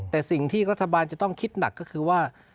แต่สิ่งที่รัฐบาลจะต้องคิดหนักก็คือว่า